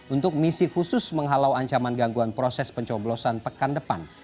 untuk misi khusus menghalau ancaman gangguan proses pencoblosan pekan depan